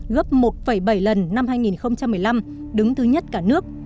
gấp một bảy lần năm hai nghìn một mươi năm đứng thứ nhất cả nước